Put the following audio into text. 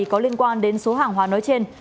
có liên quan đến số hàng hóa nói trên